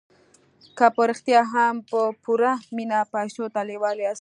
که په رښتیا هم په پوره مينه پيسو ته لېوال ياست.